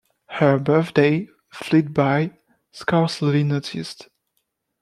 Her birthday fled by scarcely noticed.